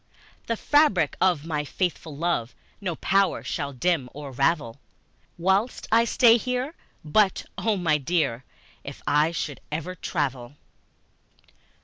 The fabric of my faithful love No power shall dim or ravel Whilst I stay here, but oh, my dear, If I should ever travel!